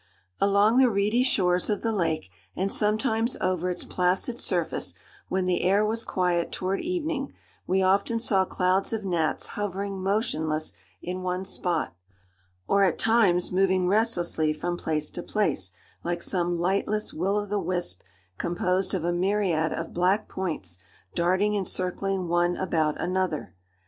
Along the reedy shores of the lake and sometimes over its placid surface, when the air was quiet toward evening, we often saw clouds of gnats hovering motionless in one spot, or at times moving restlessly from place to place, like some lightless will o' the wisp, composed of a myriad of black points, darting and circling one about another.